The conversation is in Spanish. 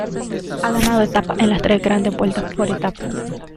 Ha ganado etapas en las tres Grandes Vueltas por etapas.